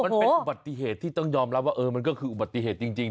มันเป็นอุบัติเหตุที่ต้องยอมรับว่ามันก็คืออุบัติเหตุจริง